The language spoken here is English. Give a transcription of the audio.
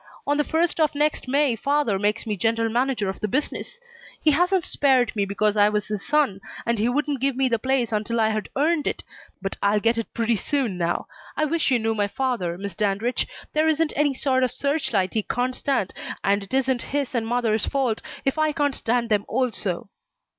On the first of next May father makes me general manager of the business. He hasn't spared me because I was his son, and he wouldn't give me the place until I'd earned it, but I'll get it pretty soon now. I wish you knew my father, Miss Dandridge. There isn't any sort of search light he can't stand, and it isn't his and mother's fault if I can't stand them, also."